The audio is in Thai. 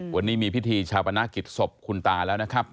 วันนี้มีพิธีชาปนกิจศพคุณตาแล้วนะครับ